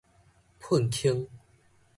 噴傾